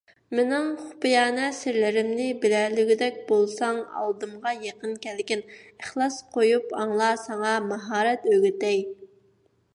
مېنىڭ خۇپىيانە سىرلىرىمنى بىلەلىگۈدەك بولساڭ ئالدىمغا يېقىن كەلگىن، ئىخلاس قويۇپ ئاڭلا، ساڭا ماھارەت ئۆگىتەي.